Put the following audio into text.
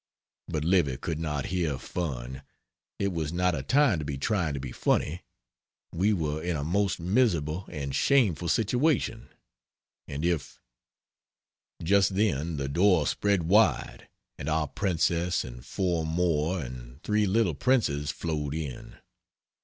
But Livy could not hear fun it was not a time to be trying to be funny we were in a most miserable and shameful situation, and if Just then the door spread wide and our princess and 4 more, and 3 little princes flowed in!